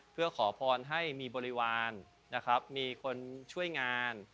เพื่อขอพรให้มีบริวารนะครับมีคนช่วยงาน